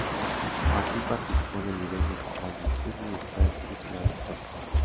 Martin participó en el vídeo musical de Britney Spears titulado "Toxic".